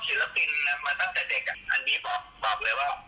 พี่ชมภูกก็ไม่น่าจะเป็นคนมีพิษมีภัยนะเดี๋ยวไปฟังเสียงพี่ชมภูกันจ้า